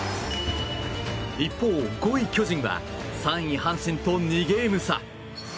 一方、５位、巨人は３位、阪神と２ゲーム差。